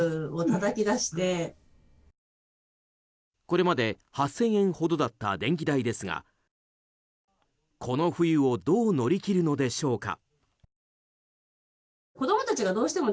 これまで８０００円ほどだった電気代ですがこの冬をどう乗り切るのでしょうか。